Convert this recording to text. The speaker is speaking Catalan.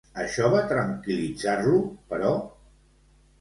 Això va tranquil·litzar-lo, però?